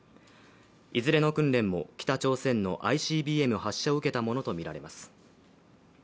いずれの訓練も北朝鮮のＩＣＢＭ発射を受けたものとみられます。